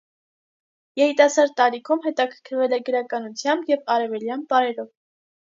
Երիտասարդ տարիքում հետաքրքրվել է գրականությամբ և արևելյան պարերով։